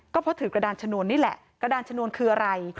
ก็เพราะถือกระดานชนวนนี่แหละกระดานชนวนคืออะไร